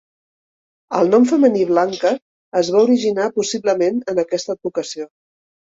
El nom femení Blanca es va originar possiblement en aquesta advocació.